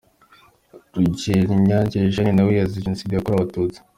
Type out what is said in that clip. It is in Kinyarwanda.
Rugerinyange Eugene nawe yazize Jenoside yakorewe Abatutsi.